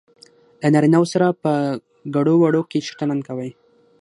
له نارینه وو سره په ګړو وړو کې ښه چلند کوي.